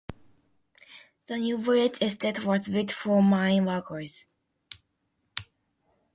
The New Village estate was built for mine workers.